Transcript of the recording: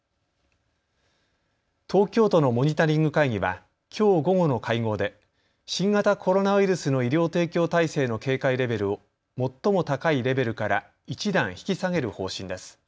東京都のモニタリング会議はきょう午後の会合で新型コロナウイルスの医療提供体制の警戒レベルを最も高いレベルから一段、引き下げる方針です。